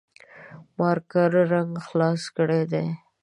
مارکر رنګ خلاص کړي دي